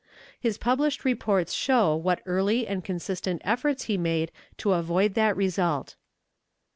His published reports show what early and consistent efforts he made to avoid that result.